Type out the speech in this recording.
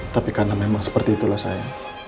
tapi karena memang seperti itulah saya